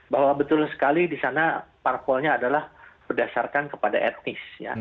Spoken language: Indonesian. bahwa betul sekali di sana parpolnya adalah berdasarkan kepada etnis